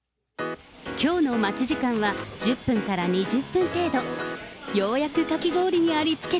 きょうの待ち時間は１０分から２０分程度。